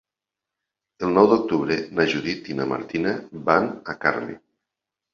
El nou d'octubre na Judit i na Martina van a Carme.